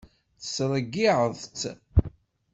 Tesreyyiεeḍ-tt.